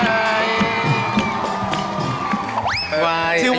ชื่อวาย